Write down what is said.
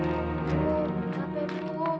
ibu capek ibu